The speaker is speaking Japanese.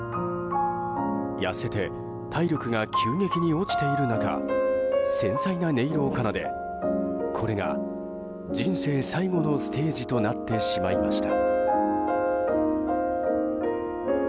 痩せて体力が急激に落ちている中繊細な音色を奏でこれが、人生最後のステージとなってしまいました。